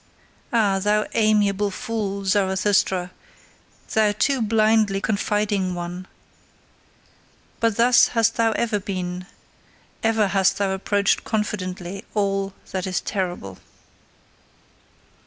Ah, thou amiable fool, Zarathustra, thou too blindly confiding one! But thus hast thou ever been: ever hast thou approached confidently all that is terrible.